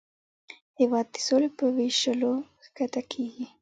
هېواد د سولې په ویشلو ښکته کېږي.